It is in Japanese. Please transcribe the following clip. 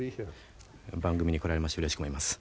番組に来られましてうれしく思います。